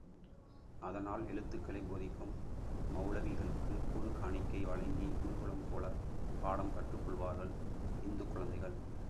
அதனால், எழுத்துக்களைப் போதிக்கும் மெளலவிகளுக்கு குரு காணிக்கை வழங்கிக் குருகுலம் போல பாடம் கற்றுக் கொள்வார்கள் இந்துக் குழந்தைகள்.